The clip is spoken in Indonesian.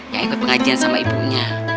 yang ikut pengajian sama ibunya